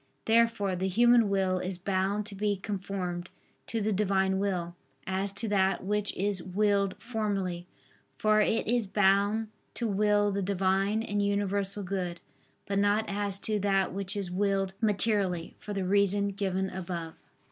Therefore the human will is bound to be conformed to the Divine will, as to that which is willed formally, for it is bound to will the Divine and universal good; but not as to that which is willed materially, for the reason given above.